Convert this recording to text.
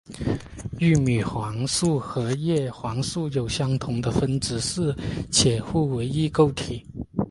玉米黄素和叶黄素有相同的分子式且互为异构体。